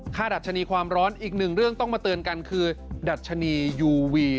ดัชนีความร้อนอีกหนึ่งเรื่องต้องมาเตือนกันคือดัชนียูวี